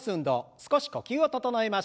少し呼吸を整えましょう。